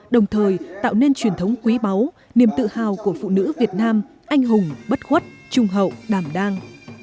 đồng thời tạo nên truyền thống quý báu niềm tự hào của phụ nữ việt nam anh hùng bất khuất trung hậu đảm đang